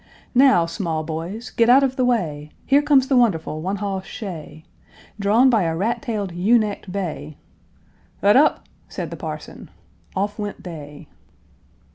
Now, small boys, get out of the way! Here comes the wonderful one hoss shay, Drawn by a rat tailed, ewe necked bay. "Huddup!" said the parson. Off went they.